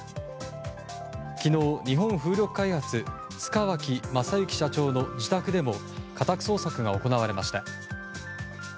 昨日、日本風力開発塚脇正幸社長の自宅でも家宅捜索が行われました。